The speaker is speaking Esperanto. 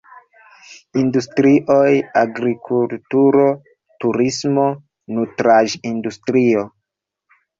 Industrioj: agrikulturo, turismo, nutraĵ-industrio.